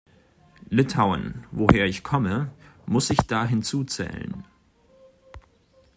Litauen, woher ich komme, muss ich da hinzuzählen.